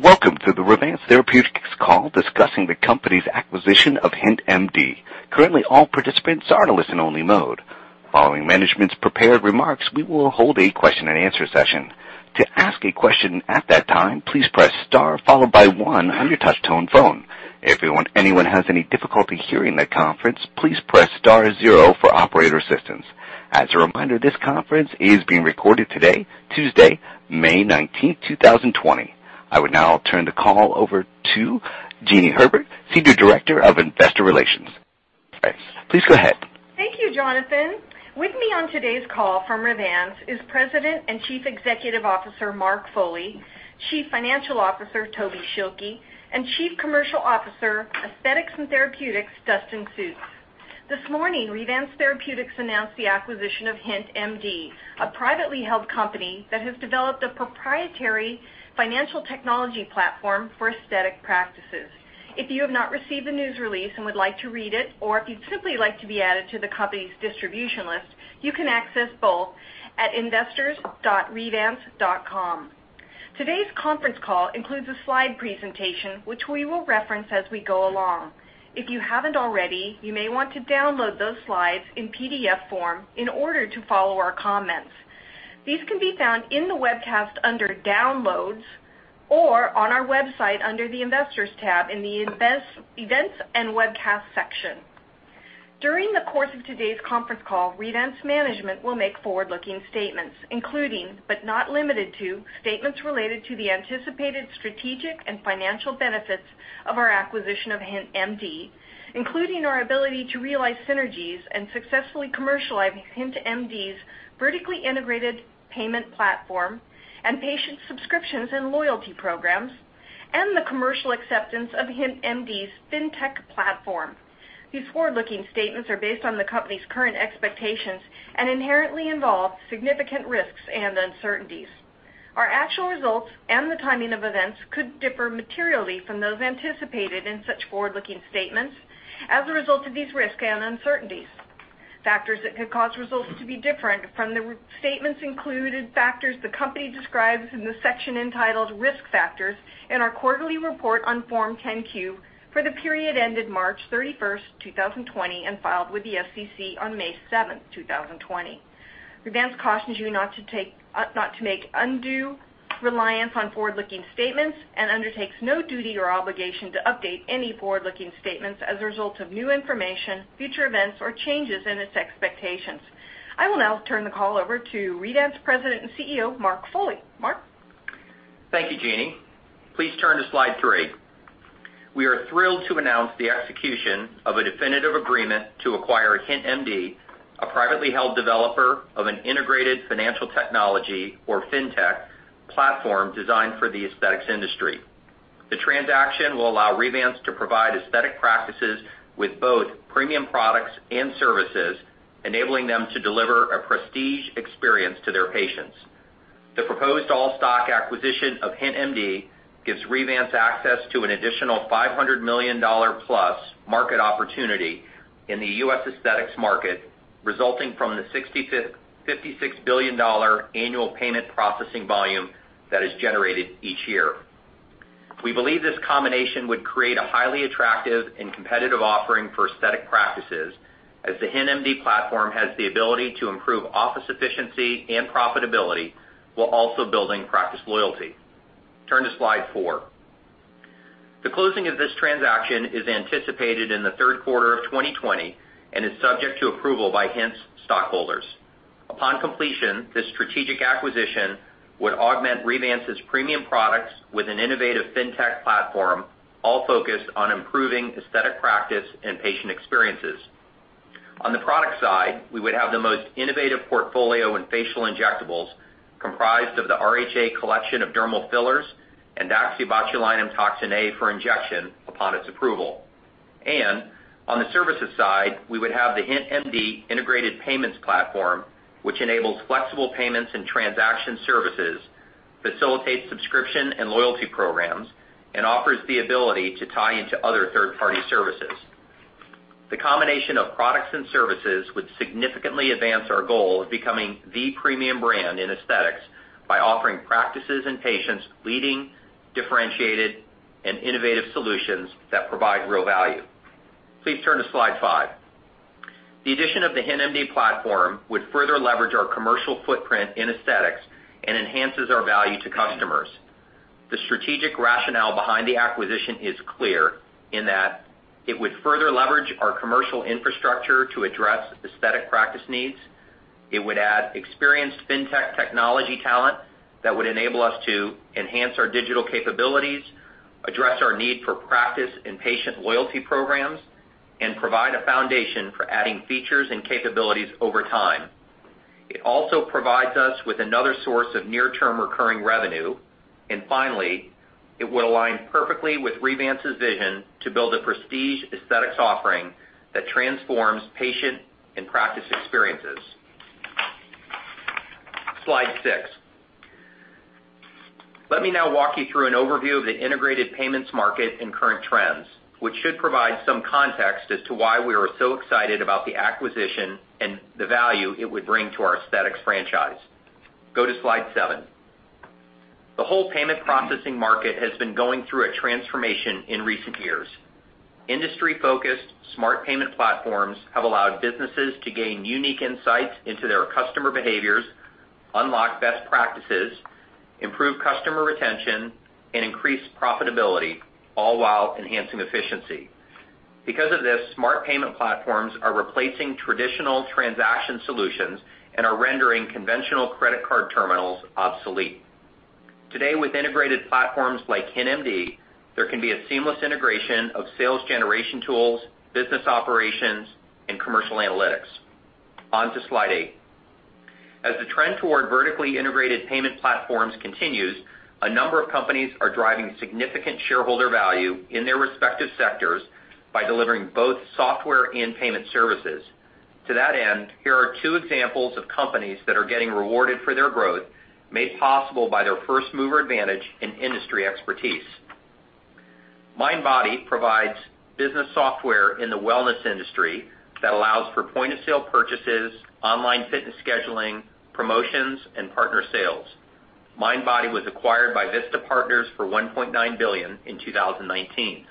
Welcome to the Revance Therapeutics call discussing the company's acquisition of HintMD. Currently, all participants are in listen only mode. Following management's prepared remarks, we will hold a question and answer session. To ask a question at that time, please press star followed by one on your touch tone phone. If anyone has any difficulty hearing the conference, please press star zero for operator assistance. As a reminder, this conference is being recorded today, Tuesday, May 19th, 2020. I would now turn the call over to Jeanie Herbert, Senior Director of Investor Relations. Please go ahead. Thank you, Jonathan. With me on today's call from Revance is President and Chief Executive Officer, Mark Foley, Chief Financial Officer, Tobin Schilke, and Chief Commercial Officer, Aesthetics and Therapeutics, Dustin Sjuts. This morning, Revance Therapeutics announced the acquisition of HintMD, a privately held company that has developed a proprietary financial technology platform for aesthetic practices. If you have not received the news release and would like to read it, or if you'd simply like to be added to the company's distribution list, you can access both at investors.revance.com. Today's conference call includes a slide presentation which we will reference as we go along. If you haven't already, you may want to download those slides in PDF form in order to follow our comments. These can be found in the webcast under downloads, or on our website under the Investors tab in the Events and Webcast section. During the course of today's conference call, Revance management will make forward-looking statements, including, but not limited to, statements related to the anticipated strategic and financial benefits of our acquisition of HintMD, including our ability to realize synergies and successfully commercializing HintMD's vertically integrated payment platform and patient subscriptions and loyalty programs, and the commercial acceptance of HintMD's FinTech platform. These forward-looking statements are based on the company's current expectations and inherently involve significant risks and uncertainties. Our actual results and the timing of events could differ materially from those anticipated in such forward-looking statements as a result of these risks and uncertainties. Factors that could cause results to be different from the statements included factors the company describes in the section entitled Risk Factors in our quarterly report on Form 10-Q for the period ended March 31st, 2020, and filed with the SEC on May 7th, 2020. Revance cautions you not to make undue reliance on forward-looking statements and undertakes no duty or obligation to update any forward-looking statements as a result of new information, future events, or changes in its expectations. I will now turn the call over to Revance President and CEO, Mark Foley. Mark? Thank you, Jeanie. Please turn to slide three. We are thrilled to announce the execution of a definitive agreement to acquire HintMD, a privately held developer of an integrated financial technology or FinTech platform designed for the aesthetics industry. The transaction will allow Revance to provide aesthetic practices with both premium products and services, enabling them to deliver a prestige experience to their patients. The proposed all-stock acquisition of HintMD gives Revance access to an additional $500 million plus market opportunity in the U.S. aesthetics market, resulting from the $56 billion annual payment processing volume that is generated each year. We believe this combination would create a highly attractive and competitive offering for aesthetic practices, as the HintMD platform has the ability to improve office efficiency and profitability while also building practice loyalty. Turn to slide four. The closing of this transaction is anticipated in the third quarter of 2020 and is subject to approval by Hint's stockholders. Upon completion, this strategic acquisition would augment Revance's premium products with an innovative FinTech platform, all focused on improving aesthetic practice and patient experiences. On the product side, we would have the most innovative portfolio in facial injectables, comprised of the RHA Collection of dermal fillers and daxibotulinumtoxinA for injection upon its approval. On the services side, we would have the HintMD integrated payments platform, which enables flexible payments and transaction services, facilitates subscription and loyalty programs, and offers the ability to tie into other third-party services. The combination of products and services would significantly advance our goal of becoming the premium brand in aesthetics by offering practices and patients leading, differentiated, and innovative solutions that provide real value. Please turn to slide five. The addition of the HintMD platform would further leverage our commercial footprint in aesthetics and enhances our value to customers. The strategic rationale behind the acquisition is clear in that it would further leverage our commercial infrastructure to address aesthetic practice needs. It would add experienced FinTech technology talent that would enable us to enhance our digital capabilities, address our need for practice and patient loyalty programs, and provide a foundation for adding features and capabilities over time. It also provides us with another source of near-term recurring revenue. Finally, it will align perfectly with Revance's vision to build a prestige aesthetics offering that transforms patient and practice experiences. Slide six. Let me now walk you through an overview of the integrated payments market and current trends, which should provide some context as to why we are so excited about the acquisition and the value it would bring to our aesthetics franchise. Go to slide seven. The whole payment processing market has been going through a transformation in recent years. Industry-focused smart payment platforms have allowed businesses to gain unique insights into their customer behaviors, unlock best practices, improve customer retention, and increase profitability, all while enhancing efficiency. Because of this, smart payment platforms are replacing traditional transaction solutions and are rendering conventional credit card terminals obsolete. Today, with integrated platforms like HintMD, there can be a seamless integration of sales generation tools, business operations, and commercial analytics. On to slide eight. As the trend toward vertically integrated payment platforms continues, a number of companies are driving significant shareholder value in their respective sectors by delivering both software and payment services. To that end, here are two examples of companies that are getting rewarded for their growth, made possible by their first-mover advantage in industry expertise. Mindbody provides business software in the wellness industry that allows for point-of-sale purchases, online fitness scheduling, promotions, and partner sales. Mindbody was acquired by Vista Partners for $1.9 billion in 2019.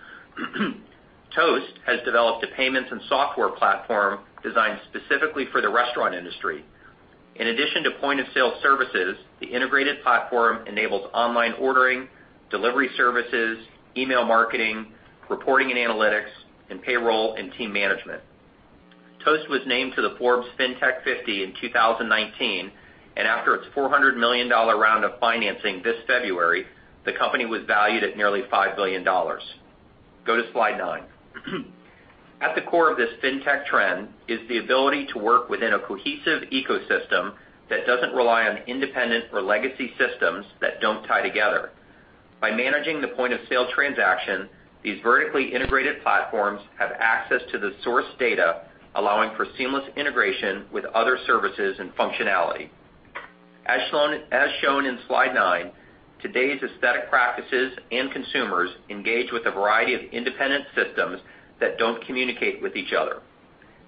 Toast has developed a payments and software platform designed specifically for the restaurant industry. In addition to point-of-sale services, the integrated platform enables online ordering, delivery services, email marketing, reporting and analytics, and payroll and team management. Toast was named to the Forbes Fintech 50 in 2019, and after its $400 million round of financing this February, the company was valued at nearly $5 billion. Go to slide nine. At the core of this FinTech trend is the ability to work within a cohesive ecosystem that doesn't rely on independent or legacy systems that don't tie together. By managing the point-of-sale transaction, these vertically integrated platforms have access to the source data, allowing for seamless integration with other services and functionality. As shown in slide nine, today's aesthetic practices and consumers engage with a variety of independent systems that don't communicate with each other.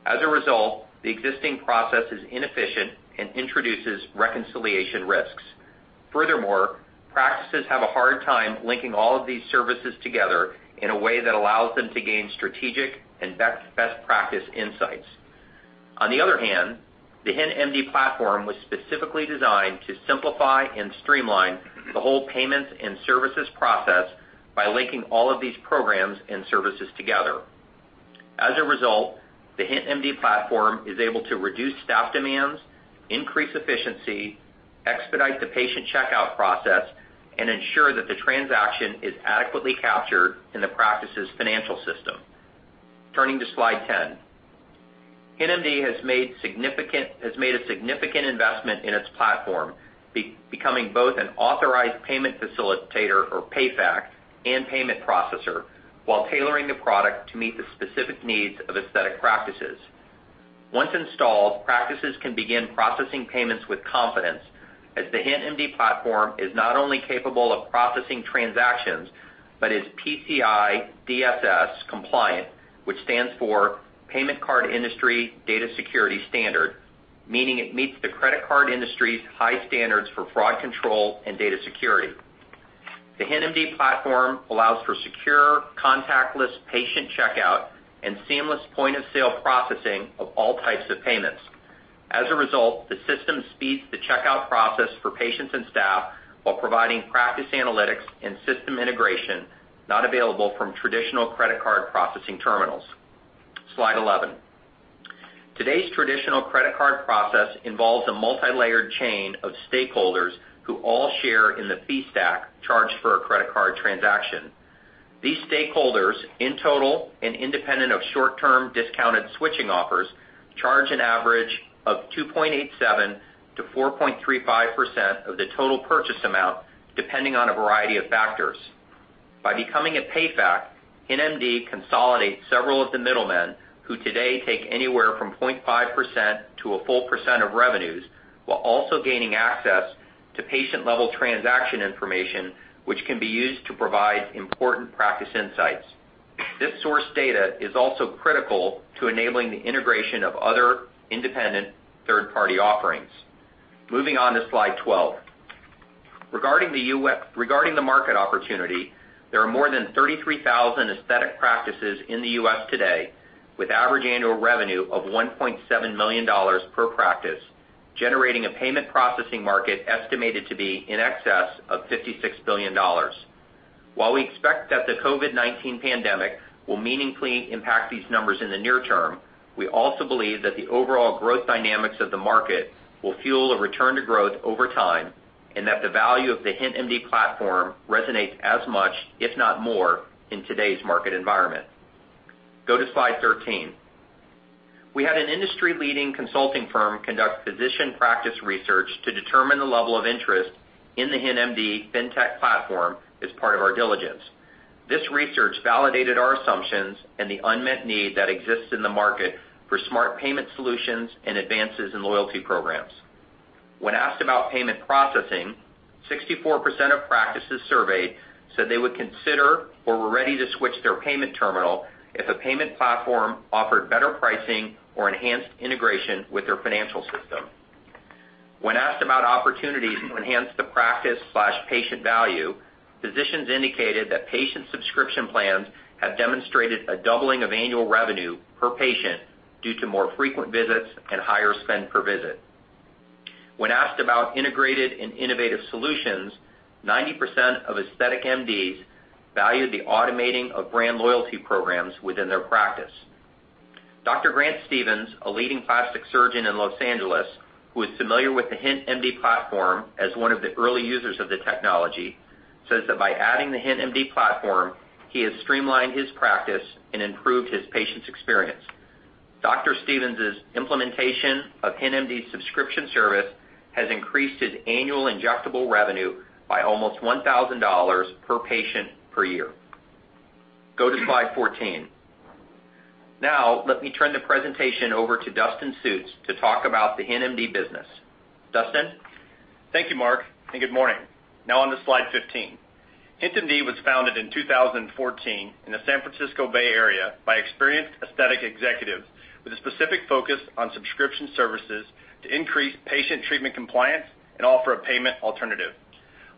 As a result, the existing process is inefficient and introduces reconciliation risks. Furthermore, practices have a hard time linking all of these services together in a way that allows them to gain strategic and best practice insights. On the other hand, the HintMD platform was specifically designed to simplify and streamline the whole payments and services process by linking all of these programs and services together. As a result, the HintMD platform is able to reduce staff demands, increase efficiency, expedite the patient checkout process, and ensure that the transaction is adequately captured in the practice's financial system. Turning to slide 10. HintMD has made a significant investment in its platform, becoming both an authorized payment facilitator, or PayFac, and payment processor, while tailoring the product to meet the specific needs of aesthetic practices. Once installed, practices can begin processing payments with confidence, as the HintMD platform is not only capable of processing transactions, but is PCI DSS compliant, which stands for Payment Card Industry Data Security Standard, meaning it meets the credit card industry's high standards for fraud control and data security. The HintMD platform allows for secure, contactless patient checkout and seamless point-of-sale processing of all types of payments. As a result, the system speeds the checkout process for patients and staff while providing practice analytics and system integration not available from traditional credit card processing terminals. Slide 11. Today's traditional credit card process involves a multilayered chain of stakeholders who all share in the fee stack charged for a credit card transaction. These stakeholders, in total and independent of short-term discounted switching offers, charge an average of 2.87%-4.35% of the total purchase amount, depending on a variety of factors. By becoming a PayFac, HintMD consolidates several of the middlemen, who today take anywhere from 0.5%-1% of revenues, while also gaining access to patient-level transaction information, which can be used to provide important practice insights. This source data is also critical to enabling the integration of other independent third-party offerings. Moving on to slide 12. Regarding the market opportunity, there are more than 33,000 aesthetic practices in the U.S. today, with average annual revenue of $1.7 million per practice, generating a payment processing market estimated to be in excess of $56 billion. While we expect that the COVID-19 pandemic will meaningfully impact these numbers in the near term, we also believe that the overall growth dynamics of the market will fuel a return to growth over time, and that the value of the HintMD platform resonates as much, if not more, in today's market environment. Go to slide 13. We had an industry-leading consulting firm conduct physician practice research to determine the level of interest in the HintMD FinTech platform as part of our diligence. This research validated our assumptions and the unmet need that exists in the market for smart payment solutions and advances in loyalty programs. When asked about payment processing, 64% of practices surveyed said they would consider or were ready to switch their payment terminal if a payment platform offered better pricing or enhanced integration with their financial system. When asked about opportunities to enhance the practice/patient value, physicians indicated that patient subscription plans have demonstrated a doubling of annual revenue per patient due to more frequent visits and higher spend per visit. When asked about integrated and innovative solutions, 90% of aesthetic MDs value the automating of brand loyalty programs within their practice. Dr. Grant Stevens, a leading plastic surgeon in Los Angeles, who is familiar with the HintMD platform as one of the early users of the technology, says that by adding the HintMD platform, he has streamlined his practice and improved his patients' experience. Dr. Stevens' implementation of HintMD's subscription service has increased his annual injectable revenue by almost $1,000 per patient per year. Go to slide 14. Let me turn the presentation over to Dustin Sjuts to talk about the HintMD business. Dustin? Thank you, Mark. Good morning. Now on to slide 15. HintMD was founded in 2014 in the San Francisco Bay Area by experienced aesthetic executives with a specific focus on subscription services to increase patient treatment compliance and offer a payment alternative.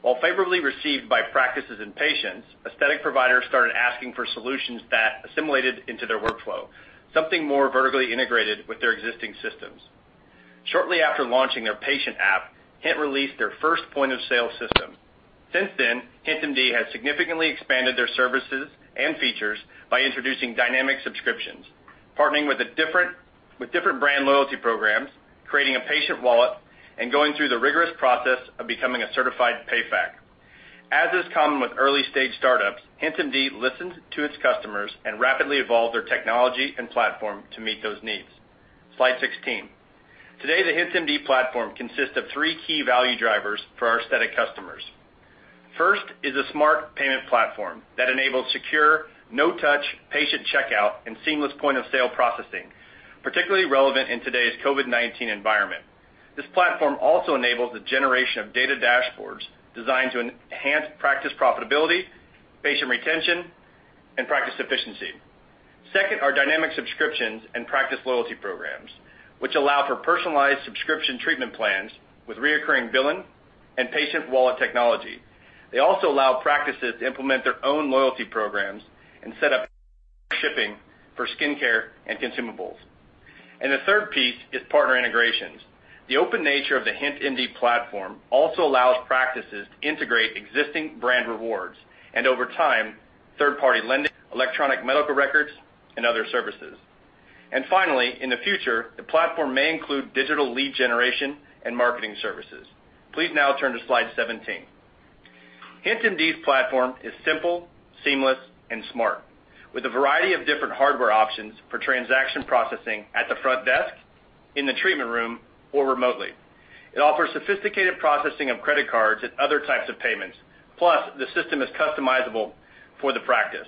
While favorably received by practices and patients, aesthetic providers started asking for solutions that assimilated into their workflow, something more vertically integrated with their existing systems. Shortly after launching their patient app, Hint released their first point-of-sale system. Since then, HintMD has significantly expanded their services and features by introducing dynamic subscriptions, partnering with different brand loyalty programs, creating a patient wallet, and going through the rigorous process of becoming a certified PayFac. As is common with early-stage startups, HintMD listened to its customers and rapidly evolved their technology and platform to meet those needs. Slide 16. Today, the HintMD platform consists of three key value drivers for our aesthetic customers. First is a smart payment platform that enables secure, no-touch patient checkout and seamless point-of-sale processing, particularly relevant in today's COVID-19 environment. This platform also enables the generation of data dashboards designed to enhance practice profitability, patient retention, and practice efficiency. Second are dynamic subscriptions and practice loyalty programs, which allow for personalized subscription treatment plans with recurring billing and patient wallet technology. They also allow practices to implement their own loyalty programs and set up shipping for skincare and consumables. The third piece is partner integrations. The open nature of the HintMD platform also allows practices to integrate existing brand rewards, and over time, third-party lending, electronic medical records, and other services. Finally, in the future, the platform may include digital lead generation and marketing services. Please now turn to slide 17. HintMD's platform is simple, seamless, and smart, with a variety of different hardware options for transaction processing at the front desk, in the treatment room, or remotely. It offers sophisticated processing of credit cards and other types of payments. Plus, the system is customizable for the practice.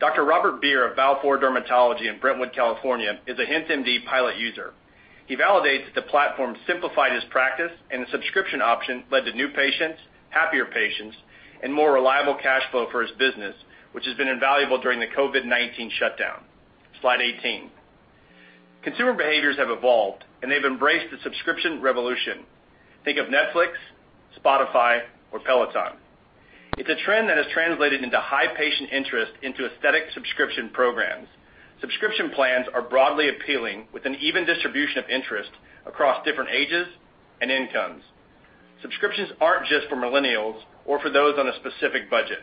Dr. Robert Beer of Balfour Dermatology in Brentwood, California, is a HintMD pilot user. He validates that the platform simplified his practice, and the subscription option led to new patients, happier patients, and more reliable cash flow for his business, which has been invaluable during the COVID-19 shutdown. Slide 18. Consumer behaviors have evolved, and they've embraced the subscription revolution. Think of Netflix, Spotify, or Peloton. It's a trend that has translated into high patient interest into aesthetic subscription programs. Subscription plans are broadly appealing with an even distribution of interest across different ages and incomes. Subscriptions aren't just for millennials or for those on a specific budget.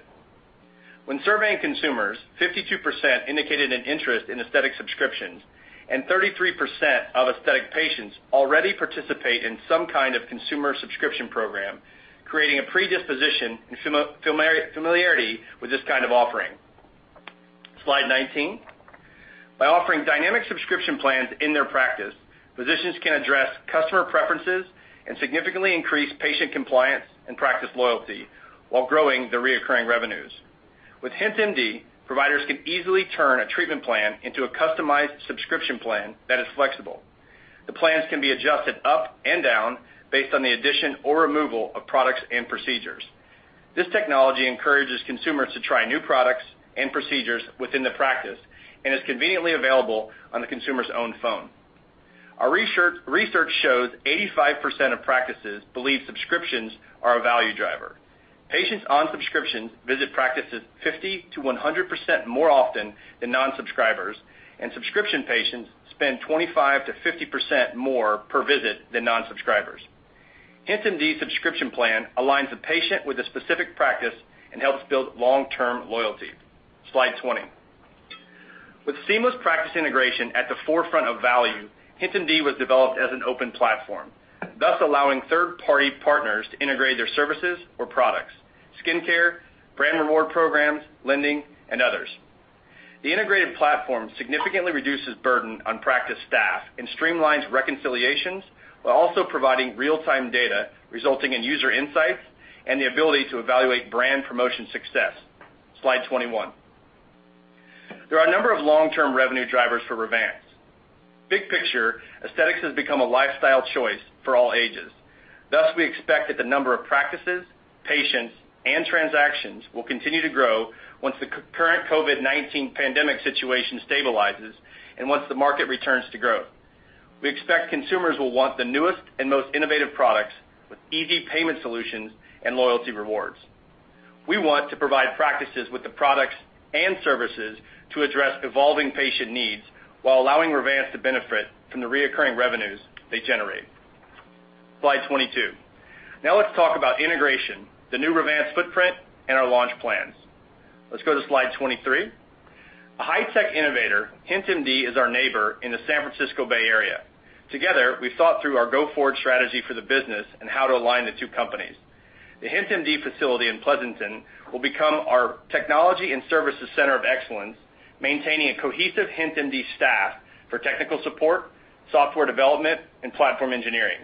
When surveying consumers, 52% indicated an interest in aesthetic subscriptions, and 33% of aesthetic patients already participate in some kind of consumer subscription program, creating a predisposition and familiarity with this kind of offering. Slide 19. By offering dynamic subscription plans in their practice, physicians can address customer preferences and significantly increase patient compliance and practice loyalty while growing their reoccurring revenues. With HintMD, providers can easily turn a treatment plan into a customized subscription plan that is flexible. The plans can be adjusted up and down based on the addition or removal of products and procedures. This technology encourages consumers to try new products and procedures within the practice and is conveniently available on the consumer's own phone. Our research shows 85% of practices believe subscriptions are a value driver. Patients on subscriptions visit practices 50%-100% more often than non-subscribers, and subscription patients spend 25%-50% more per visit than non-subscribers. HintMD's subscription plan aligns the patient with a specific practice and helps build long-term loyalty. Slide 20. With seamless practice integration at the forefront of value, HintMD was developed as an open platform, thus allowing third-party partners to integrate their services or products, skincare, brand reward programs, lending, and others. The integrated platform significantly reduces burden on practice staff and streamlines reconciliations while also providing real-time data, resulting in user insights and the ability to evaluate brand promotion success. Slide 21. There are a number of long-term revenue drivers for Revance. Big picture, aesthetics has become a lifestyle choice for all ages. Thus, we expect that the number of practices, patients, and transactions will continue to grow once the current COVID-19 pandemic situation stabilizes and once the market returns to growth. We expect consumers will want the newest and most innovative products with easy payment solutions and loyalty rewards. We want to provide practices with the products and services to address evolving patient needs while allowing Revance to benefit from the reoccurring revenues they generate. Slide 22. Let's talk about integration, the new Revance footprint, and our launch plans. Let's go to slide 23. A high-tech innovator, HintMD is our neighbor in the San Francisco Bay Area. Together, we've thought through our go-forward strategy for the business and how to align the two companies. The HintMD facility in Pleasanton will become our technology and services center of excellence, maintaining a cohesive HintMD staff for technical support, software development, and platform engineering.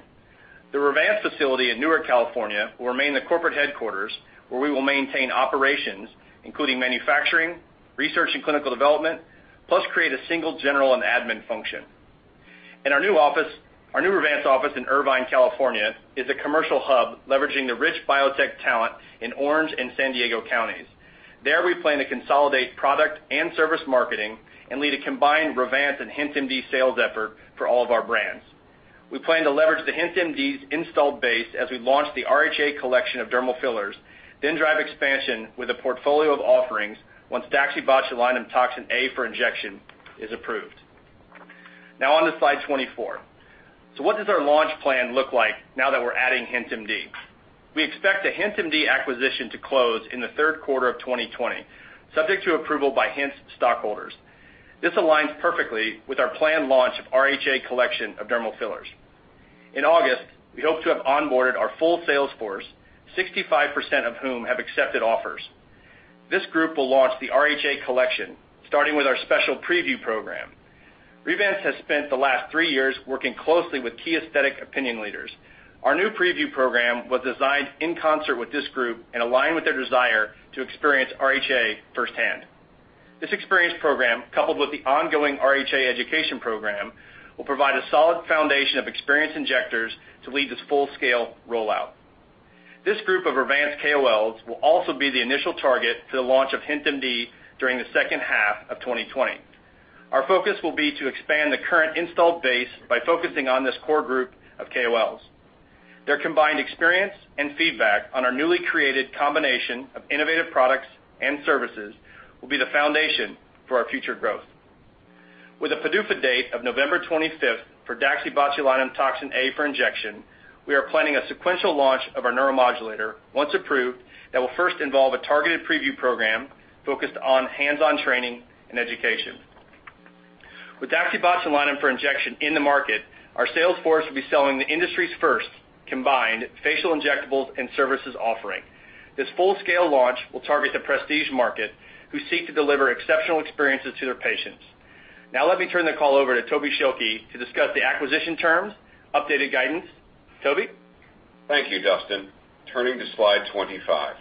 The Revance facility in Newark, California will remain the corporate headquarters, where we will maintain operations, including manufacturing, research and clinical development, plus create a single general and admin function. Our new Revance office in Irvine, California is a commercial hub leveraging the rich biotech talent in Orange and San Diego Counties. There, we plan to consolidate product and service marketing and lead a combined Revance and HintMD sales effort for all of our brands. We plan to leverage the HintMD's installed base as we launch the RHA Collection of dermal fillers, then drive expansion with a portfolio of offerings once daxibotulinumtoxinA for injection is approved. On to slide 24. What does our launch plan look like now that we're adding HintMD? We expect the HintMD acquisition to close in the third quarter of 2020, subject to approval by Hint stockholders. This aligns perfectly with our planned launch of RHA Collection of dermal fillers. In August, we hope to have onboarded our full sales force, 65% of whom have accepted offers. This group will launch the RHA Collection, starting with our special Preview Program. Revance has spent the last three years working closely with key aesthetic opinion leaders. Our new Preview Program was designed in concert with this group and aligned with their desire to experience RHA firsthand. This Experience Program, coupled with the ongoing RHA Education Program, will provide a solid foundation of experienced injectors to lead this full-scale rollout. This group of Revance KOLs will also be the initial target for the launch of HintMD during the second half of 2020. Our focus will be to expand the current installed base by focusing on this core group of KOLs. Their combined experience and feedback on our newly created combination of innovative products and services will be the foundation for our future growth. With a PDUFA date of November 25th for daxibotulinumtoxinA for injection, we are planning a sequential launch of our neuromodulator, once approved, that will first involve a targeted preview program focused on hands-on training and education. With daxibotulinum for injection in the market, our sales force will be selling the industry's first combined facial injectables and services offering. This full-scale launch will target the prestige market, who seek to deliver exceptional experiences to their patients. Now let me turn the call over to Tobin Schilke to discuss the acquisition terms, updated guidance. Tobin? Thank you, Dustin. Turning to slide 25.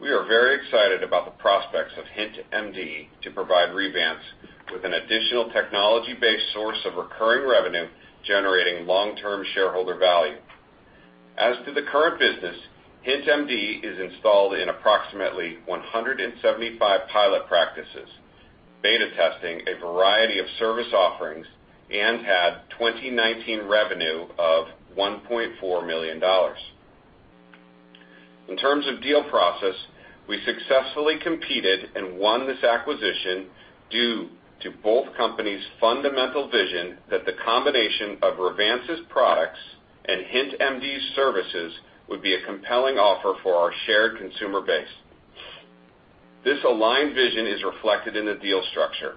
We are very excited about the prospects of HintMD to provide Revance with an additional technology-based source of recurring revenue, generating long-term shareholder value. As to the current business, HintMD is installed in approximately 175 pilot practices, beta testing a variety of service offerings, and had 2019 revenue of $1.4 million. In terms of deal process, we successfully competed and won this acquisition due to both companies' fundamental vision that the combination of Revance's products and HintMD's services would be a compelling offer for our shared consumer base. This aligned vision is reflected in the deal structure.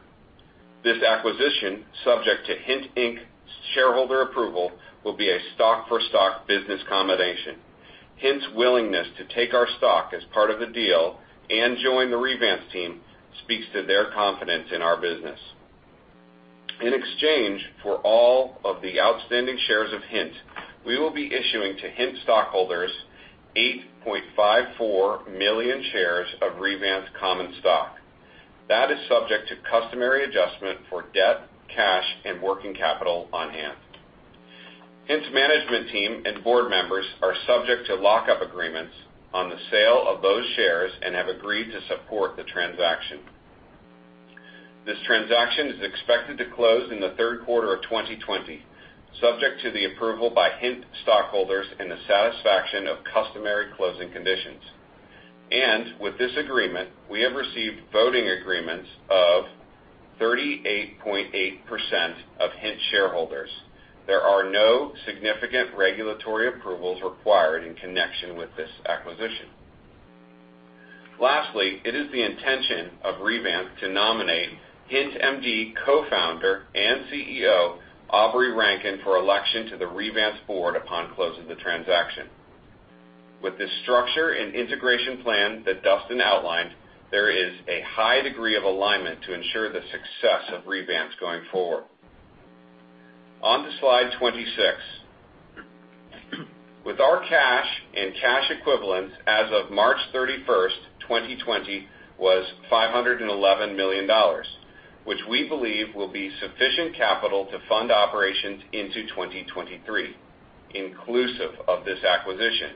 This acquisition, subject to Hint, Inc.'s shareholder approval, will be a stock for stock business combination. Hint's willingness to take our stock as part of the deal and join the Revance team speaks to their confidence in our business. In exchange for all of the outstanding shares of Hint, we will be issuing to Hint stockholders 8.54 million shares of Revance common stock. That is subject to customary adjustment for debt, cash, and working capital on hand. Hint's management team and board members are subject to lock-up agreements on the sale of those shares and have agreed to support the transaction. This transaction is expected to close in the third quarter of 2020, subject to the approval by Hint stockholders and the satisfaction of customary closing conditions. With this agreement, we have received voting agreements of 38.8% of Hint shareholders. There are no significant regulatory approvals required in connection with this acquisition. Lastly, it is the intention of Revance to nominate HintMD Co-founder and CEO, Aubrey Rankin, for election to the Revance board upon close of the transaction. With this structure and integration plan that Dustin outlined, there is a high degree of alignment to ensure the success of Revance going forward. On to slide 26. With our cash and cash equivalents as of March 31, 2020 was $511 million, which we believe will be sufficient capital to fund operations into 2023, inclusive of this acquisition.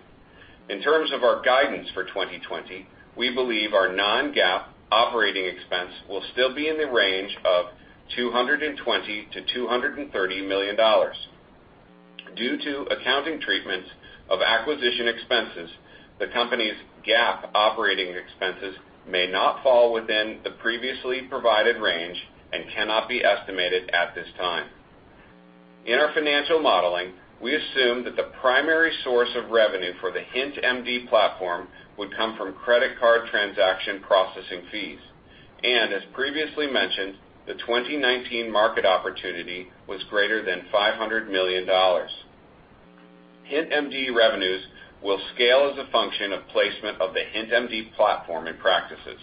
In terms of our guidance for 2020, we believe our non-GAAP operating expense will still be in the range of $220 million-$230 million. Due to accounting treatments of acquisition expenses, the company's GAAP operating expenses may not fall within the previously provided range and cannot be estimated at this time. In our financial modeling, we assume that the primary source of revenue for the HintMD platform would come from credit card transaction processing fees. As previously mentioned, the 2019 market opportunity was greater than $500 million. HintMD revenues will scale as a function of placement of the HintMD platform and practices.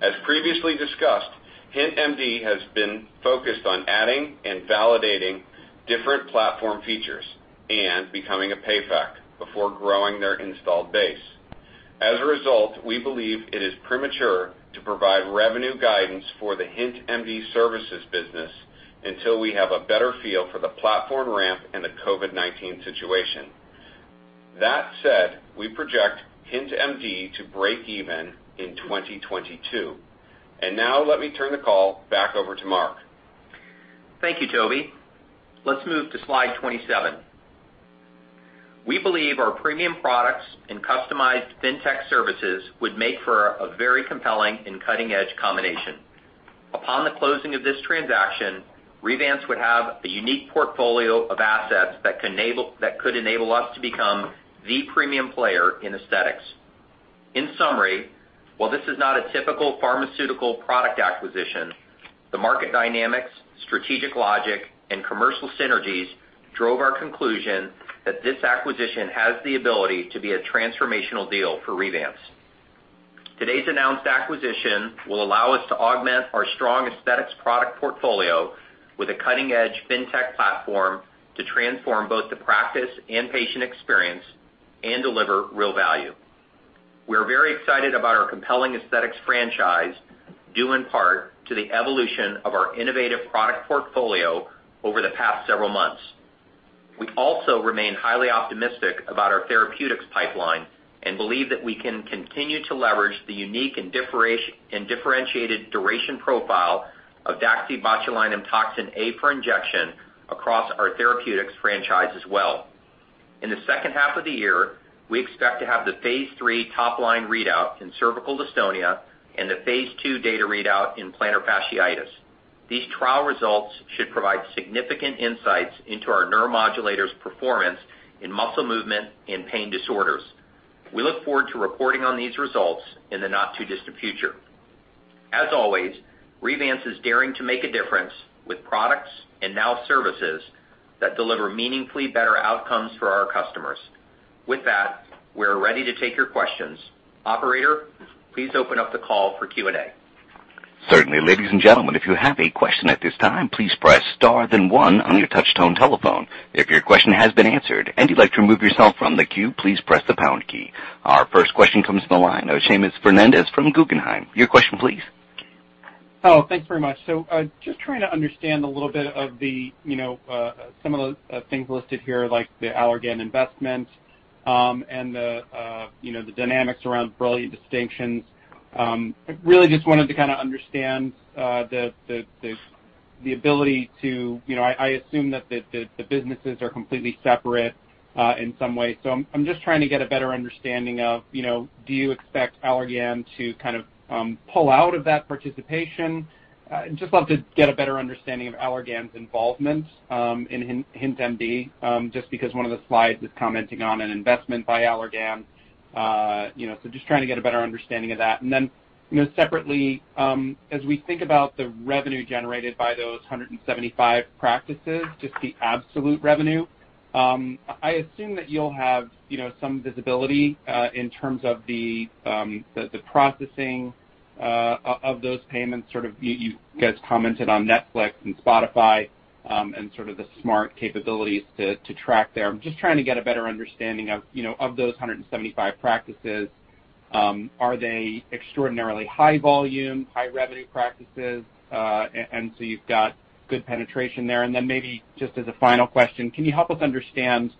As previously discussed, HintMD has been focused on adding and validating different platform features and becoming a PayFac before growing their installed base. As a result, we believe it is premature to provide revenue guidance for the HintMD services business until we have a better feel for the platform ramp and the COVID-19 situation. That said, we project HintMD to break even in 2022. Now let me turn the call back over to Mark. Thank you, Toby. Let's move to slide 27. We believe our premium products and customized FinTech services would make for a very compelling and cutting-edge combination. Upon the closing of this transaction, Revance would have a unique portfolio of assets that could enable us to become the premium player in aesthetics. In summary, while this is not a typical pharmaceutical product acquisition, the market dynamics, strategic logic, and commercial synergies drove our conclusion that this acquisition has the ability to be a transformational deal for Revance. Today's announced acquisition will allow us to augment our strong aesthetics product portfolio with a cutting-edge FinTech platform to transform both the practice and patient experience and deliver real value. We're very excited about our compelling aesthetics franchise, due in part to the evolution of our innovative product portfolio over the past several months. We also remain highly optimistic about our therapeutics pipeline and believe that we can continue to leverage the unique and differentiated duration profile of daxibotulinumtoxinA for injection across our therapeutics franchise as well. In the second half of the year, we expect to have the phase III top-line readout in cervical dystonia and the phase II data readout in plantar fasciitis. These trial results should provide significant insights into our neuromodulators' performance in muscle movement and pain disorders. We look forward to reporting on these results in the not-too-distant future. As always, Revance is daring to make a difference with products and now services that deliver meaningfully better outcomes for our customers. With that, we're ready to take your questions. Operator, please open up the call for Q&A. Certainly. Ladies and gentlemen, if you have a question at this time, please press star then one on your touch tone telephone. If your question has been answered and you'd like to remove yourself from the queue, please press the pound key. Our first question comes from the line of Seamus Fernandez from Guggenheim. Your question, please. Thanks very much. Just trying to understand a little bit of some of the things listed here, like the Allergan investment, and the dynamics around Brilliant Distinctions. Really just wanted to kind of understand the ability to I assume that the businesses are completely separate in some way. I'm just trying to get a better understanding of, do you expect Allergan to kind of pull out of that participation? Just love to get a better understanding of Allergan's involvement in HintMD, just because one of the slides is commenting on an investment by Allergan. Just trying to get a better understanding of that. Separately, as we think about the revenue generated by those 175 practices, just the absolute revenue, I assume that you'll have some visibility in terms of the processing of those payments. You guys commented on Netflix and Spotify, and sort of the smart capabilities to track there. I'm just trying to get a better understanding of those 175 practices. Are they extraordinarily high volume, high revenue practices, and so you've got good penetration there? Maybe just as a final question, can you help us understand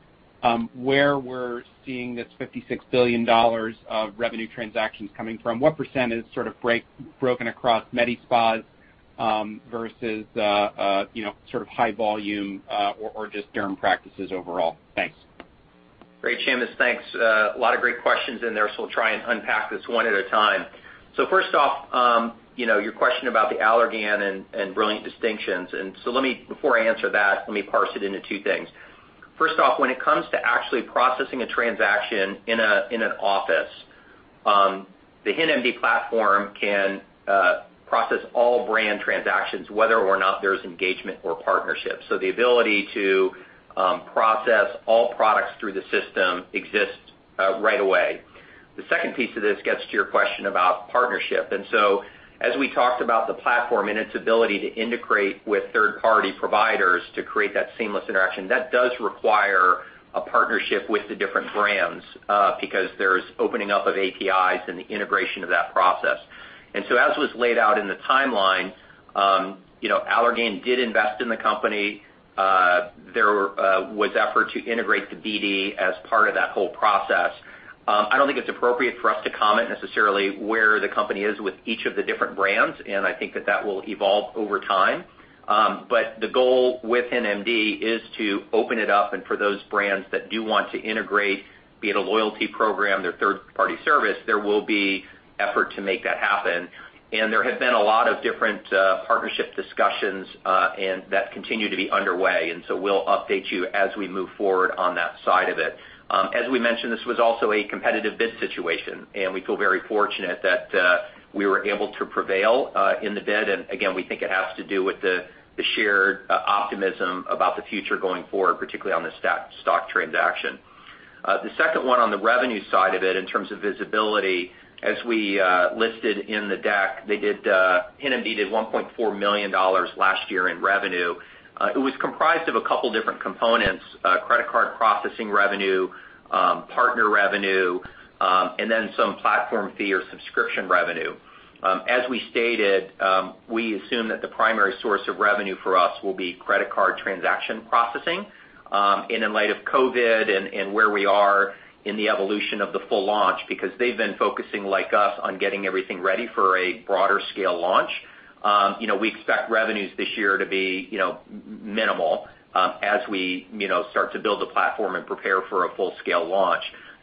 where we're seeing this $56 billion of revenue transactions coming from? What % is sort of broken across medi-spas versus high volume or just derm practices overall? Thanks. Great, Seamus. Thanks. A lot of great questions in there, we'll try and unpack this one at a time. First off, your question about the Allergan and Brilliant Distinctions. Let me, before I answer that, let me parse it into two things. First off, when it comes to actually processing a transaction in an office, the HintMD platform can process all brand transactions, whether or not there's engagement or partnership. The ability to process all products through the system exists right away. The second piece of this gets to your question about partnership. As we talked about the platform and its ability to integrate with third-party providers to create that seamless interaction, that does require a partnership with the different brands, because there's opening up of APIs and the integration of that process. As was laid out in the timeline, Allergan did invest in the company. There was effort to integrate the BD as part of that whole process. I don't think it's appropriate for us to comment necessarily where the company is with each of the different brands, and I think that that will evolve over time. The goal with HintMD is to open it up, and for those brands that do want to integrate, be it a loyalty program, their third-party service, there will be effort to make that happen. There have been a lot of different partnership discussions, and that continue to be underway, and so we'll update you as we move forward on that side of it. As we mentioned, this was also a competitive bid situation, and we feel very fortunate that we were able to prevail in the bid. Again, we think it has to do with the shared optimism about the future going forward, particularly on the stock transaction. The second one on the revenue side of it, in terms of visibility, as we listed in the deck, HintMD did $1.4 million last year in revenue. It was comprised of a couple different components, credit card processing revenue, partner revenue, and then some platform fee or subscription revenue. As we stated, we assume that the primary source of revenue for us will be credit card transaction processing. In light of COVID and where we are in the evolution of the full launch, because they've been focusing, like us, on getting everything ready for a broader scale launch, we expect revenues this year to be minimal as we start to build the platform and prepare for a full-scale launch.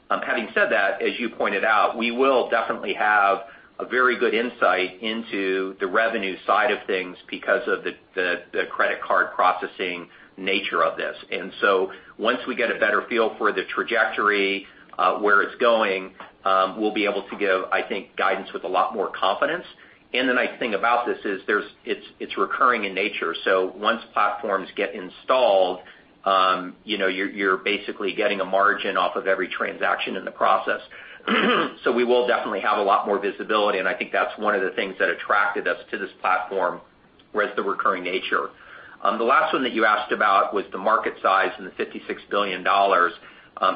Having said that, as you pointed out, we will definitely have a very good insight into the revenue side of things because of the credit card processing nature of this. Once we get a better feel for the trajectory, where it's going, we'll be able to give, I think, guidance with a lot more confidence. The nice thing about this is it's recurring in nature, so once platforms get installed, you're basically getting a margin off of every transaction in the process. We will definitely have a lot more visibility, and I think that's one of the things that attracted us to this platform, was the recurring nature. The last one that you asked about was the market size and the $56 billion.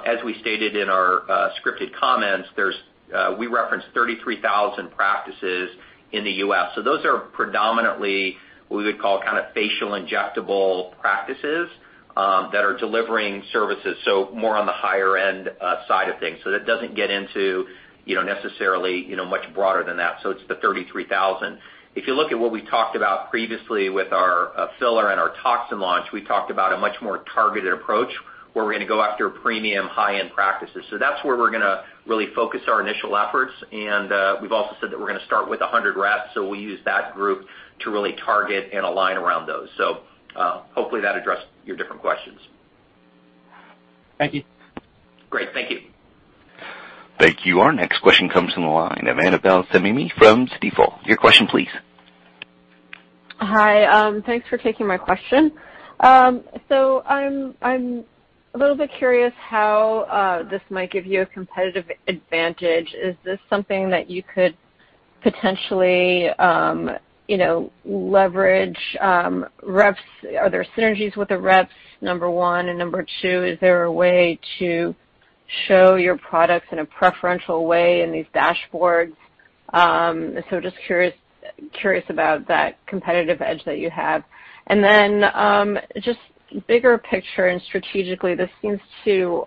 As we stated in our scripted comments, we referenced 33,000 practices in the U.S. Those are predominantly what we would call facial injectable practices that are delivering services, more on the higher-end side of things. That doesn't get into necessarily much broader than that. It's the 33,000. If you look at what we talked about previously with our filler and our toxin launch, we talked about a much more targeted approach, where we're going to go after premium high-end practices. That's where we're going to really focus our initial efforts. We've also said that we're going to start with 100 reps, so we'll use that group to really target and align around those. Hopefully that addressed your different questions. Thank you. Great. Thank you. Thank you. Our next question comes from the line of Annabel Samimy from Stifel. Your question please. Hi. Thanks for taking my question. I'm a little bit curious how this might give you a competitive advantage. Is this something that you could potentially leverage reps? Are there synergies with the reps, number one? Number two, is there a way to show your products in a preferential way in these dashboards? Just curious about that competitive edge that you have. Just bigger picture and strategically, this seems to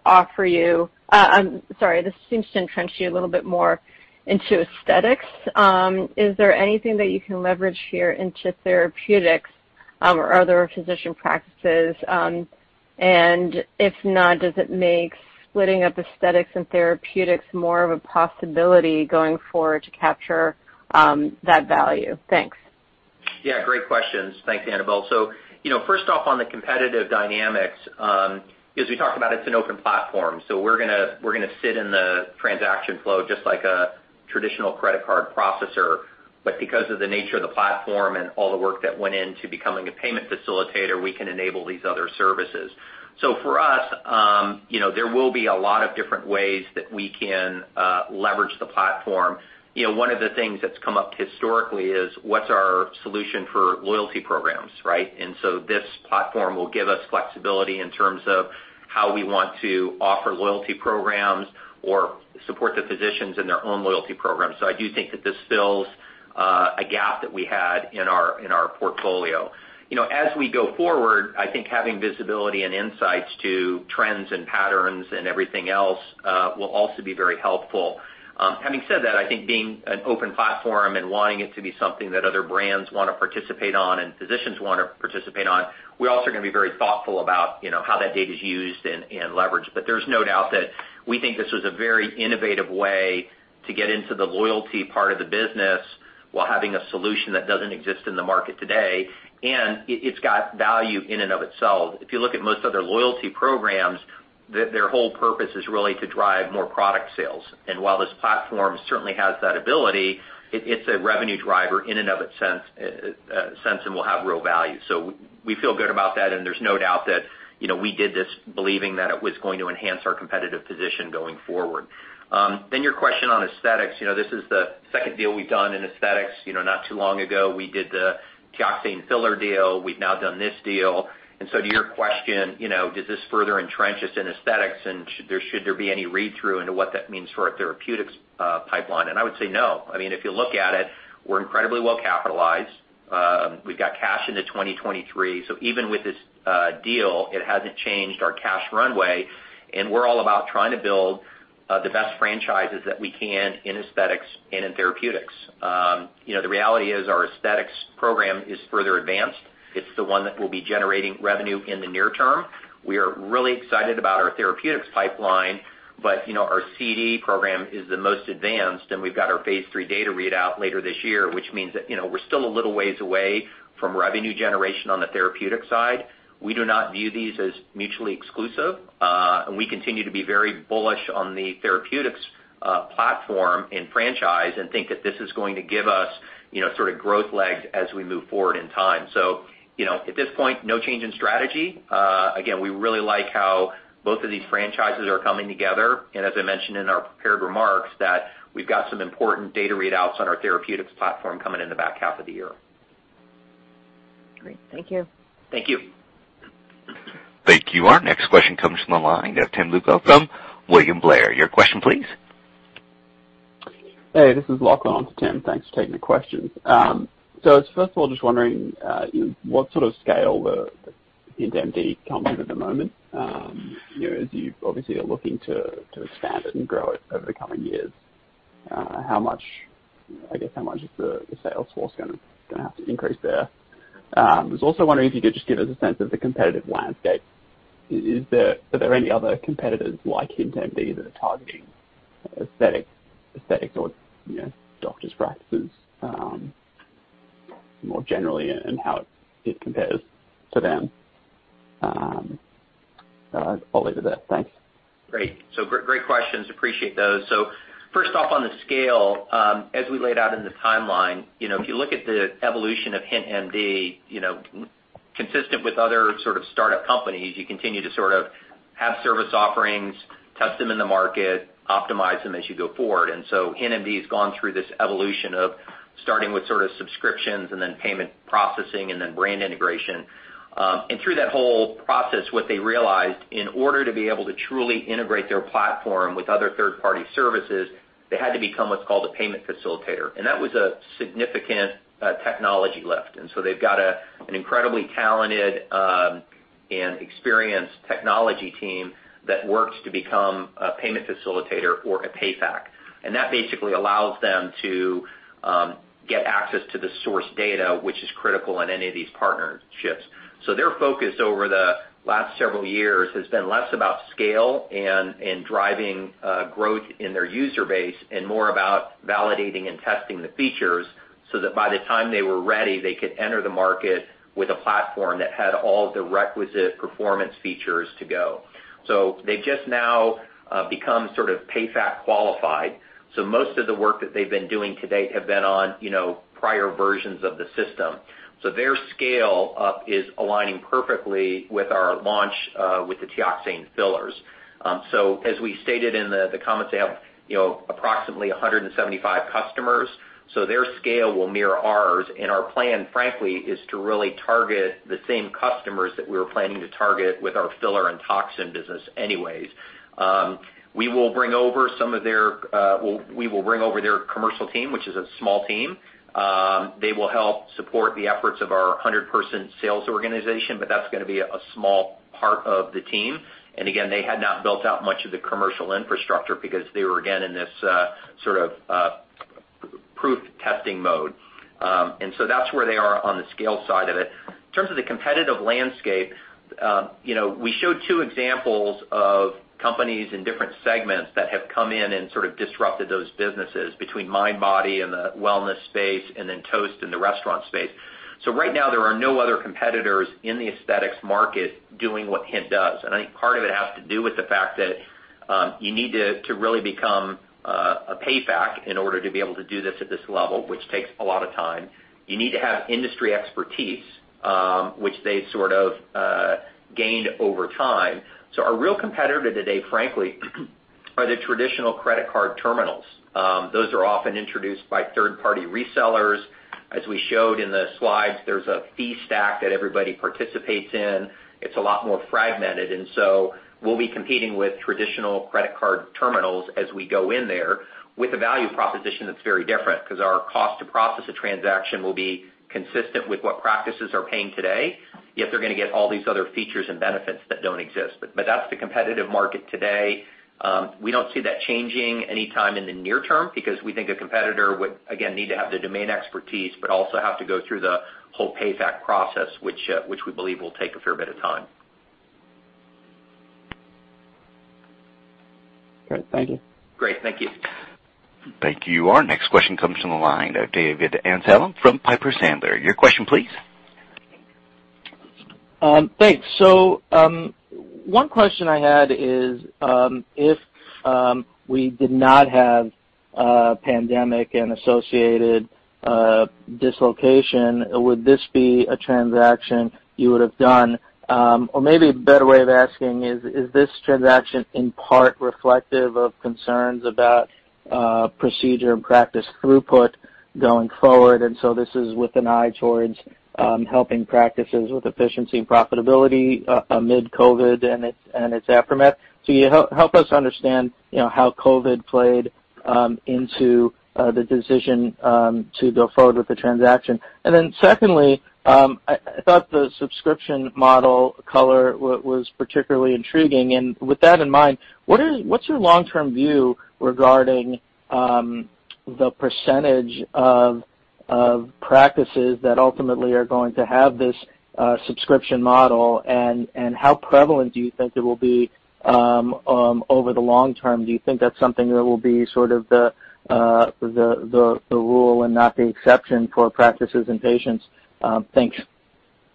entrench you a little bit more into aesthetics. Is there anything that you can leverage here into therapeutics or other physician practices? If not, does it make splitting up aesthetics and therapeutics more of a possibility going forward to capture that value? Thanks. Yeah, great questions. Thanks, Annabel. First off on the competitive dynamics, as we talked about, it's an open platform. We're going to sit in the transaction flow just like a traditional credit card processor, but because of the nature of the platform and all the work that went in to becoming a payment facilitator, we can enable these other services. For us, there will be a lot of different ways that we can leverage the platform. One of the things that's come up historically is what's our solution for loyalty programs, right? This platform will give us flexibility in terms of how we want to offer loyalty programs or support the physicians in their own loyalty programs. I do think that this fills a gap that we had in our portfolio. As we go forward, I think having visibility and insights to trends and patterns and everything else will also be very helpful. Having said that, I think being an open platform and wanting it to be something that other brands want to participate on and physicians want to participate on, we also are going to be very thoughtful about how that data's used and leveraged. There's no doubt that we think this was a very innovative way to get into the loyalty part of the business while having a solution that doesn't exist in the market today, and it's got value in and of itself. If you look at most other loyalty programs. Their whole purpose is really to drive more product sales. While this platform certainly has that ability, it's a revenue driver in and of itself and will have real value. We feel good about that, and there's no doubt that we did this believing that it was going to enhance our competitive position going forward. Your question on aesthetics. This is the second deal we've done in aesthetics. Not too long ago, we did the Teoxane filler deal. We've now done this deal. To your question, does this further entrench us in aesthetics? Should there be any read-through into what that means for our therapeutics pipeline? I would say no. If you look at it, we're incredibly well-capitalized. We've got cash into 2023. Even with this deal, it hasn't changed our cash runway, and we're all about trying to build the best franchises that we can in aesthetics and in therapeutics. The reality is our aesthetics program is further advanced. It's the one that will be generating revenue in the near term. We are really excited about our therapeutics pipeline. Our CD program is the most advanced, and we've got our phase III data readout later this year, which means that we're still a little ways away from revenue generation on the therapeutic side. We do not view these as mutually exclusive. We continue to be very bullish on the therapeutics platform and franchise and think that this is going to give us sort of growth legs as we move forward in time. At this point, no change in strategy. We really like how both of these franchises are coming together, and as I mentioned in our prepared remarks, that we've got some important data readouts on our therapeutics platform coming in the back half of the year. Great. Thank you. Thank you. Thank you. Our next question comes from the line of Tim Lugo from William Blair. Your question, please. Hey, this is Lachlan. Tim, thanks for taking the questions. I was, first of all, just wondering what sort of scale the HintMD comes in at the moment. As you obviously are looking to expand it and grow it over the coming years, how much of the sales force going to have to increase there? I was also wondering if you could just give us a sense of the competitive landscape. Are there any other competitors like HintMD that are targeting aesthetics or doctors' practices more generally, and how it compares to them? I'll leave it there. Thanks. Great. Great questions. Appreciate those. First off, on the scale, as we laid out in the timeline, if you look at the evolution of HintMD, consistent with other sort of startup companies, you continue to sort of have service offerings, test them in the market, optimize them as you go forward. HintMD has gone through this evolution of starting with sort of subscriptions and then payment processing and then brand integration. Through that whole process, what they realized, in order to be able to truly integrate their platform with other third-party services, they had to become what's called a payment facilitator. That was a significant technology lift. They've got an incredibly talented and experienced technology team that works to become a payment facilitator or a PayFac. That basically allows them to get access to the source data, which is critical in any of these partnerships. Their focus over the last several years has been less about scale and driving growth in their user base and more about validating and testing the features so that by the time they were ready, they could enter the market with a platform that had all the requisite performance features to go. They've just now become sort of PayFac qualified. Most of the work that they've been doing to date have been on prior versions of the system. Their scale-up is aligning perfectly with our launch with the Teoxane fillers. As we stated in the comments, they have approximately 175 customers, so their scale will mirror ours. Our plan, frankly, is to really target the same customers that we were planning to target with our filler and toxin business anyways. We will bring over their commercial team, which is a small team. They will help support the efforts of our 100-person sales organization, but that's going to be a small part of the team. Again, they had not built out much of the commercial infrastructure because they were, again, in this sort of proof testing mode. That's where they are on the scale side of it. In terms of the competitive landscape, we showed two examples of companies in different segments that have come in and sort of disrupted those businesses between Mindbody in the wellness space and then Toast in the restaurant space. Right now, there are no other competitors in the aesthetics market doing what Hint does. I think part of it has to do with the fact that you need to really become a PayFac in order to be able to do this at this level, which takes a lot of time. You need to have industry expertise, which they've sort of gained over time. Our real competitor today, frankly, are the traditional credit card terminals. Those are often introduced by third-party resellers. As we showed in the slides, there's a fee stack that everybody participates in. It's a lot more fragmented, and so we'll be competing with traditional credit card terminals as we go in there with a value proposition that's very different because our cost to process a transaction will be consistent with what practices are paying today, yet they're going to get all these other features and benefits that don't exist. That's the competitive market today. We don't see that changing anytime in the near term because we think a competitor would, again, need to have the domain expertise, but also have to go through the whole PayFac process, which we believe will take a fair bit of time. Great. Thank you. Great. Thank you. Thank you. Our next question comes from the line of David Amsellem from Piper Sandler. Your question, please. Thanks. One question I had is, if we did not have a pandemic and associated dislocation, would this be a transaction you would have done? Or maybe a better way of asking is this transaction in part reflective of concerns about procedure and practice throughput going forward? This is with an eye towards helping practices with efficiency and profitability amid COVID and its aftermath. Help us understand how COVID played into the decision to go forward with the transaction. Secondly, I thought the subscription model color was particularly intriguing. With that in mind, what's your long-term view regarding the percentage of practices that ultimately are going to have this subscription model? How prevalent do you think it will be over the long term? Do you think that's something that will be sort of the rule and not the exception for practices and patients? Thanks.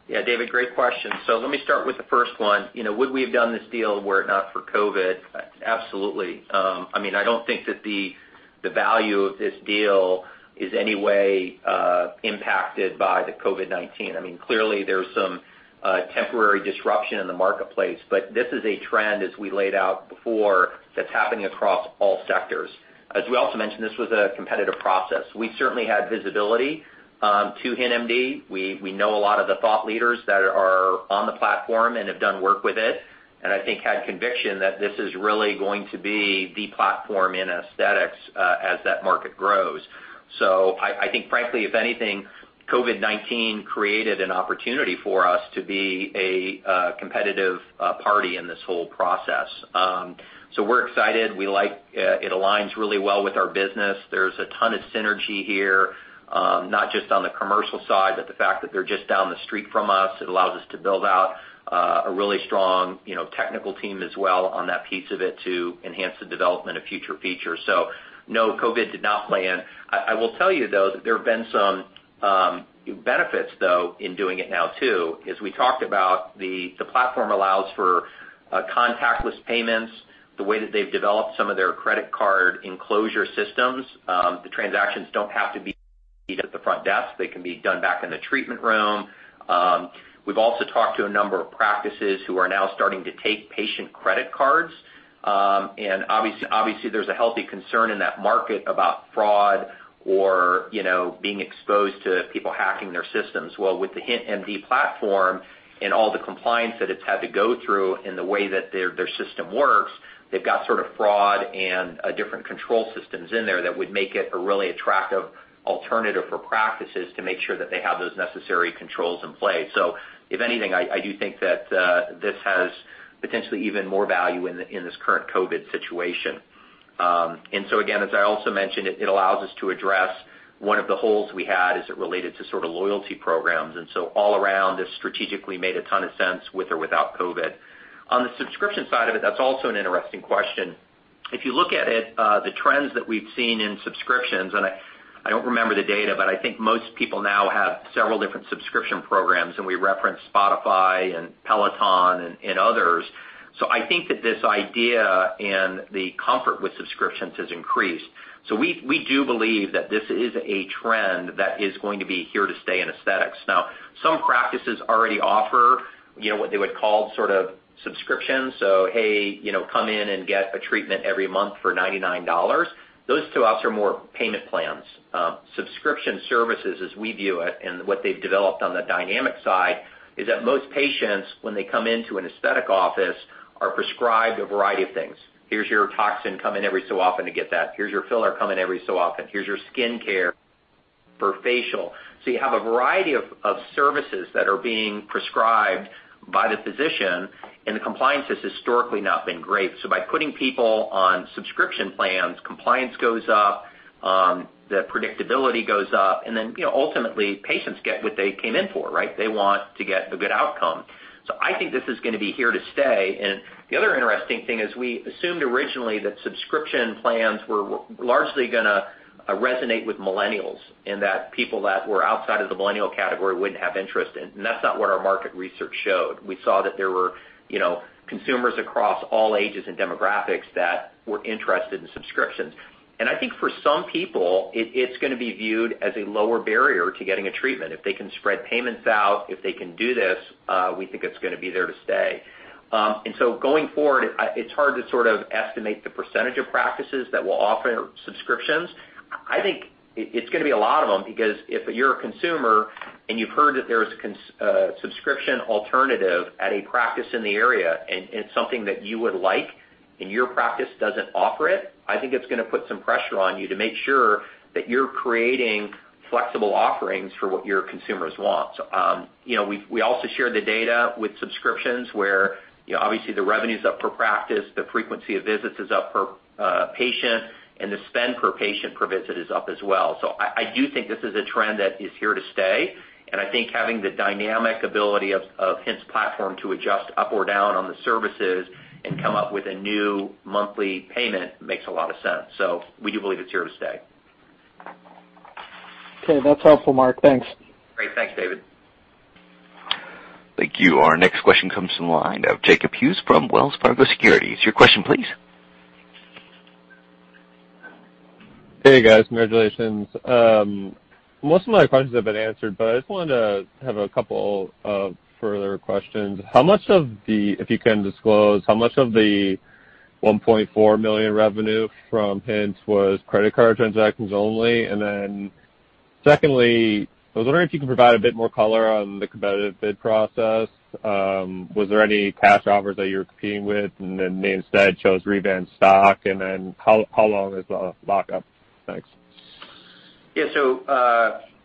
Yeah, David, great question. Let me start with the first one. Would we have done this deal were it not for COVID? Absolutely. I don't think that the value of this deal is any way impacted by the COVID-19. Clearly, there's some temporary disruption in the marketplace, but this is a trend, as we laid out before, that's happening across all sectors. As we also mentioned, this was a competitive process. We certainly had visibility to HintMD. We know a lot of the thought leaders that are on the platform and have done work with it, and I think had conviction that this is really going to be the platform in aesthetics as that market grows. I think frankly, if anything, COVID-19 created an opportunity for us to be a competitive party in this whole process. We're excited. It aligns really well with our business. There's a ton of synergy here, not just on the commercial side, but the fact that they're just down the street from us. It allows us to build out a really strong technical team as well on that piece of it to enhance the development of future features. No, COVID did not play in. I will tell you, though, that there have been some benefits, though, in doing it now, too. As we talked about, the platform allows for contactless payments. The way that they've developed some of their credit card enclosure systems, the transactions don't have to be at the front desk. They can be done back in the treatment room. We've also talked to a number of practices who are now starting to take patient credit cards. Obviously, there's a healthy concern in that market about fraud or being exposed to people hacking their systems. Well, with the HintMD platform and all the compliance that it's had to go through and the way that their system works, they've got sort of fraud and different control systems in there that would make it a really attractive alternative for practices to make sure that they have those necessary controls in play. If anything, I do think that this has potentially even more value in this current COVID situation. Again, as I also mentioned, it allows us to address one of the holes we had as it related to sort of loyalty programs. All around, this strategically made a ton of sense with or without COVID. On the subscription side of it, that's also an interesting question. If you look at it, the trends that we've seen in subscriptions, and I don't remember the data, but I think most people now have several different subscription programs, and we referenced Spotify and Peloton and others. I think that this idea and the comfort with subscriptions has increased. We do believe that this is a trend that is going to be here to stay in aesthetics. Now, some practices already offer what they would call sort of subscription. Hey, come in and get a treatment every month for $99. Those to us are more payment plans. Subscription services, as we view it, and what they've developed on the dynamic side, is that most patients, when they come into an aesthetic office, are prescribed a variety of things. Here's your toxin. Come in every so often to get that. Here's your filler. Come in every so often. Here's your skincare for facial. You have a variety of services that are being prescribed by the physician, and the compliance has historically not been great. By putting people on subscription plans, compliance goes up, the predictability goes up, and then ultimately, patients get what they came in for, right? They want to get a good outcome. I think this is going to be here to stay. The other interesting thing is we assumed originally that subscription plans were largely going to resonate with millennials, and that people that were outside of the millennial category wouldn't have interest in. That's not what our market research showed. We saw that there were consumers across all ages and demographics that were interested in subscriptions. I think for some people, it's going to be viewed as a lower barrier to getting a treatment. If they can spread payments out, if they can do this, we think it's going to be there to stay. Going forward, it's hard to sort of estimate the percentage of practices that will offer subscriptions. I think it's going to be a lot of them, because if you're a consumer and you've heard that there's a subscription alternative at a practice in the area and it's something that you would like and your practice doesn't offer it, I think it's going to put some pressure on you to make sure that you're creating flexible offerings for what your consumers want. We also shared the data with subscriptions where obviously the revenue's up per practice, the frequency of visits is up per patient, and the spend per patient per visit is up as well. I do think this is a trend that is here to stay, and I think having the dynamic ability of HintMD's platform to adjust up or down on the services and come up with a new monthly payment makes a lot of sense. We do believe it's here to stay. Okay, that's helpful, Mark. Thanks. Great. Thanks, David. Thank you. Our next question comes from the line of Jacob Hughes from Wells Fargo Securities. Your question, please. Hey, guys. Congratulations. Most of my questions have been answered. I just wanted to have a couple of further questions. If you can disclose, how much of the $1.4 million revenue from HintMD was credit card transactions only? Secondly, I was wondering if you could provide a bit more color on the competitive bid process. Was there any cash offers that you were competing with and then they instead chose Revance stock? How long is the lockup? Thanks.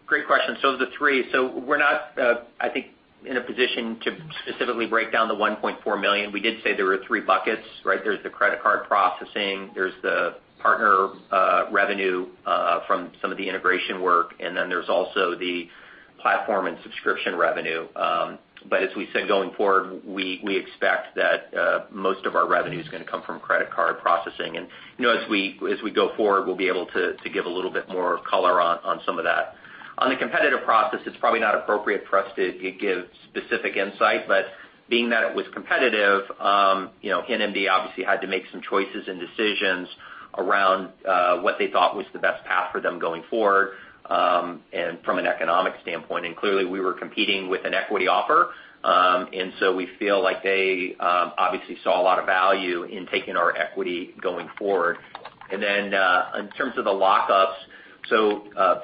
Great question. There's three. We're not, I think, in a position to specifically break down the $1.4 million. We did say there were three buckets, right? There's the credit card processing, there's the partner revenue from some of the integration work, and then there's also the platform and subscription revenue. As we said, going forward, we expect that most of our revenue is going to come from credit card processing. As we go forward, we'll be able to give a little bit more color on some of that. On the competitive process, it's probably not appropriate for us to give specific insight, but being that it was competitive, HintMD obviously had to make some choices and decisions around what they thought was the best path for them going forward, and from an economic standpoint. Clearly, we were competing with an equity offer. We feel like they obviously saw a lot of value in taking our equity going forward. In terms of the lockups,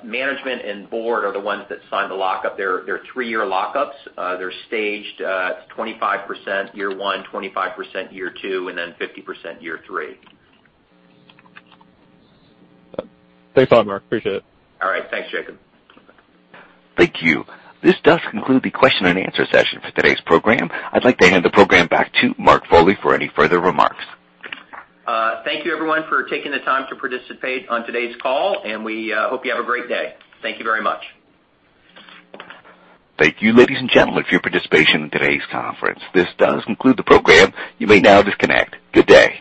management and board are the ones that signed the lockup. They're three-year lockups. They're staged 25% year one, 25% year two, and then 50% year three. Thanks a lot, Mark. Appreciate it. All right. Thanks, Jacob. Thank you. This does conclude the question and answer session for today's program. I'd like to hand the program back to Mark Foley for any further remarks. Thank you, everyone, for taking the time to participate on today's call, and we hope you have a great day. Thank you very much. Thank you, ladies and gentlemen, for your participation in today's conference. This does conclude the program. You may now disconnect. Good day.